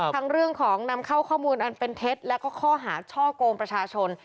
ทั้งเรื่องของนำเข้าข้อมูลอันเป็นเท็จแล้วก็ข้อหาช่อกงประชาชน